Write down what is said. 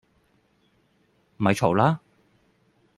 咪嘈啦